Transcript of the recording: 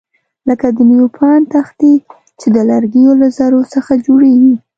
لکه د نیوپان تختې چې د لرګیو له ذرو څخه جوړیږي.